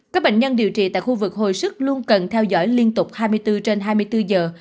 các bệnh nhân điều trị tại khu vực hồi sức luôn cần theo dõi liên tục hai mươi bốn trên hai mươi bốn giờ